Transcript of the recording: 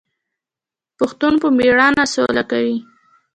پښتون په میړانه سوله کوي.